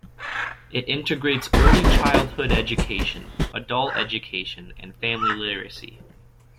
It integrates early childhood education, adult education and family literacy.